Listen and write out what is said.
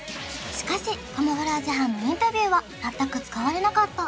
しかしカモフラージュ班のインタビューは全く使われなかった